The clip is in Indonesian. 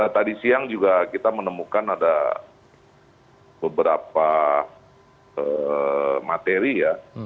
tadi siang juga kita menemukan ada beberapa materi ya